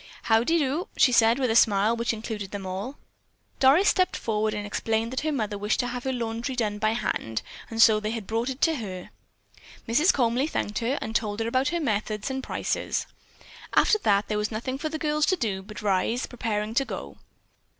"Howdy do," she said with a smile which included them all. Doris stepped forward and explained that her mother wished to have her laundry done by hand, and so they had brought it to her. Mrs. Comely thanked her and told about her methods and prices. After that there was nothing for the girls to do but rise, preparing to go.